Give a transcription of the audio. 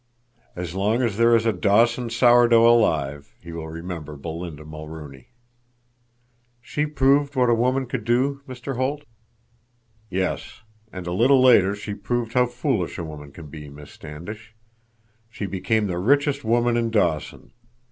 As long as there is a Dawson sour dough alive, he will remember Belinda Mulrooney." "She proved what a woman could do, Mr. Holt." "Yes, and a little later she proved how foolish a woman can be, Miss Standish. She became the richest woman in Dawson.